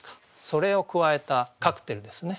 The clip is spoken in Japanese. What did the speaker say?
それを加えたカクテルですね。